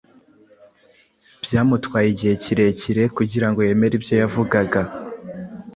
Byamutwaye igihe kirekire kugira ngo yemere ibyo yavugaga.